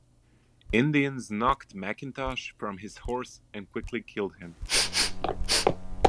Indians knocked McIntosh from his horse and quickly killed him.